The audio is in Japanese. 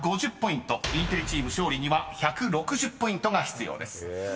［インテリチーム勝利には１６０ポイントが必要です］